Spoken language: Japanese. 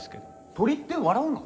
鳥って笑うの？